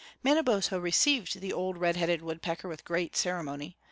Manabozho received the old red headed woodpecker with great ceremony.